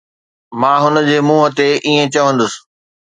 مان هن جي منهن تي ائين چوندس